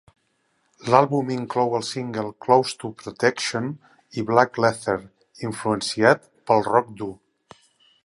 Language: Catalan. L'àlbum inclou el single "Close to Protection" i "Black Leather", influenciat pel rock dur.